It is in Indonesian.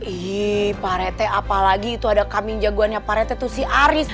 ih parete apalagi itu ada kambing jagoannya parete tuh si aris